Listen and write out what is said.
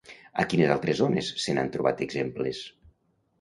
A quines altres zones se n'han trobat exemples?